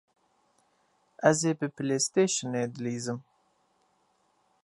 Ezê bi pilêstêşinê di lîz im